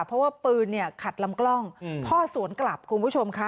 เพราะว่าปืนเนี่ยขัดลำกล้องพ่อสวนกลับคุณผู้ชมค่ะ